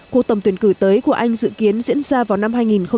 cuộc tổng tuyển cử tới của anh dự kiến diễn ra vào năm hai nghìn hai mươi